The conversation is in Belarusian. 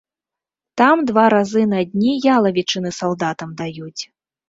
Там два разы на дні ялавічыны салдатам даюць.